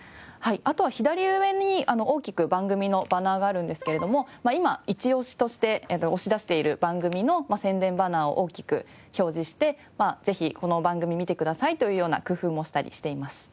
あとは左上に大きく番組のバナーがあるんですけれども今イチオシとして押し出している番組の宣伝バナーを大きく表示してぜひこの番組見てくださいというような工夫もしたりしています。